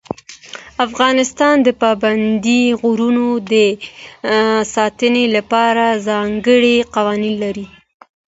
افغانستان د پابندي غرونو د ساتنې لپاره ځانګړي قوانین لري.